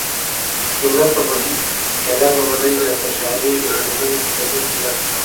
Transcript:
کیله په بدن کې د خوشالۍ د هورمونونو په تولید کې مرسته کوي.